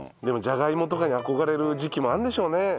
でもじゃがいもとかに憧れる時期もあるんでしょうね。